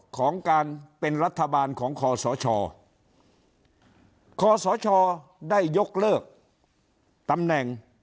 ของการเป็นรัฐบาลของคอสชคศได้ยกเลิกตำแหน่ง